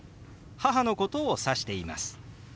母のことを指しています。